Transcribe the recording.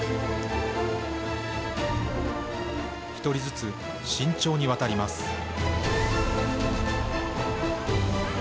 １人ずつ慎重に渡ります。